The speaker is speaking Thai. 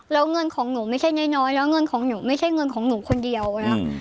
แล้วเงินของหนูไม่ใช่น้อยแล้วเงินของหนูไม่ใช่เงินของหนูคนเดียวนะ